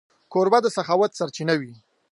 کوربه د سخاوت سرچینه وي.